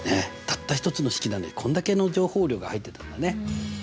たった一つの式なのにこんだけの情報量が入ってたんだね。